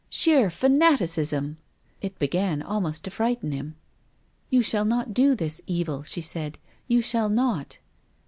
" Sheer fanaticism." It began almost to frighten him. "You shall not do this evil," she said. " You shall not."